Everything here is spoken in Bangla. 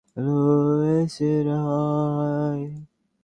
হ্যালো, ভাই।